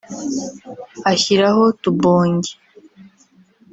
ashyiraho tubonge